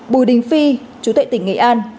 bùi đình phi chú tuệ tỉnh nghệ an